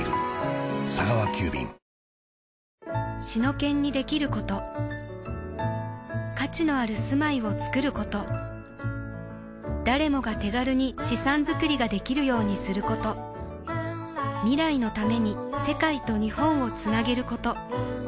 シノケンにできること価値のある住まいをつくること誰もが手軽に資産づくりができるようにすること未来のために世界と日本をつなげること